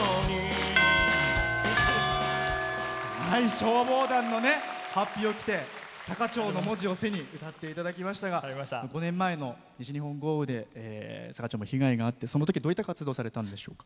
消防団のはっぴを着て坂町の文字を背に歌っていただきましたが５年前の西日本豪雨で坂町も被害があってその時、どういった活動をされたんでしょうか。